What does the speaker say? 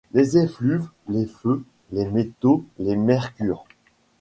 Les effluves, les feux, les métaux, les mercures